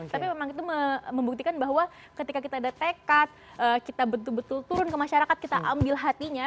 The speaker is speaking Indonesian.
tapi memang itu membuktikan bahwa ketika kita ada tekad kita betul betul turun ke masyarakat kita ambil hatinya